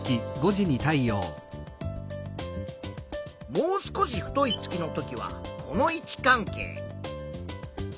もう少し太い月の時はこの位置関係。